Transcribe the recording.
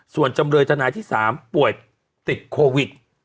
ส่วนจำเลยทนายที่๓ป่วยติดโควิด